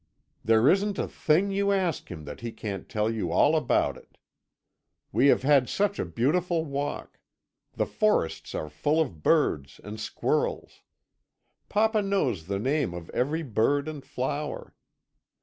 There isn't a thing you ask him that he can't tell you all about it. We have had such a beautiful walk; the forests are full of birds and squirrels. Papa knows the name of every bird and flower.